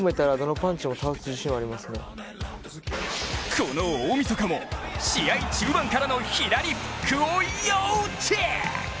この大みそかも試合中盤からの左フックを要チェック！